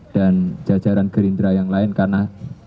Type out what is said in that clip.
dan jajaran gerindra yang lain karena